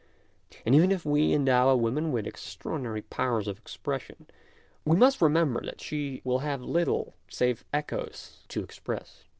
And even if we endow a woman with extraordinary powers of expression we must remember that she will have little save echoes to express.